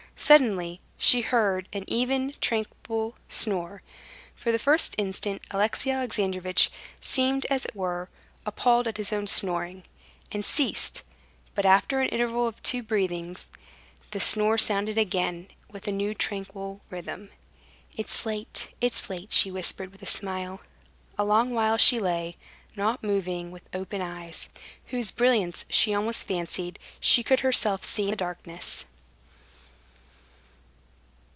Suddenly she heard an even, tranquil snore. For the first instant Alexey Alexandrovitch seemed, as it were, appalled at his own snoring, and ceased; but after an interval of two breathings the snore sounded again, with a new tranquil rhythm. "It's late, it's late," she whispered with a smile. A long while she lay, not moving, with open eyes, whose brilliance she almost fancied she could herself see in the darkness.